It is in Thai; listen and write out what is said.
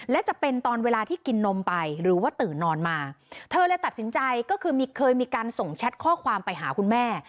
และจะเป็นตอนเวลาที่กินนมไปหรือว่าตื่นนอนมาเธอเลยตัดสินใจก็คือมีเคยมีการส่งแชทข้อความไปหาคุณแม่